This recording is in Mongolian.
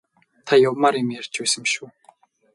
Та явмаар юм ярьж байсан биш үү?